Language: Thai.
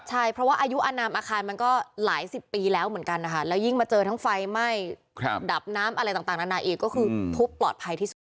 ใช่เพราะว่าอายุอนามอาคารมันก็หลายสิบปีแล้วเหมือนกันนะคะแล้วยิ่งมาเจอทั้งไฟไหม้ดับน้ำอะไรต่างนานาอีกก็คือทุบปลอดภัยที่สุด